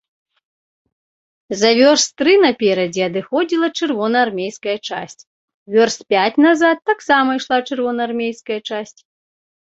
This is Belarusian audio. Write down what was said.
За вёрст тры наперадзе адыходзіла чырвонаармейская часць, вёрст пяць назад таксама ішла чырвонаармейская часць.